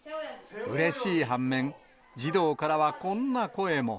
うれしい反面、児童からはこんな声も。